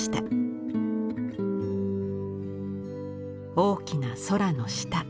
大きな空の下。